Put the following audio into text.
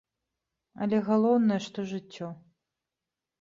Але галоўнае, што жыццё.